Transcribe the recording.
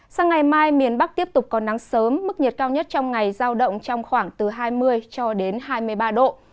sang ngày mai miền bắc tiếp tục có nắng sớm mức nhiệt cao nhất trong ngày giao động trong khoảng từ hai mươi cho đến hai mươi ba độ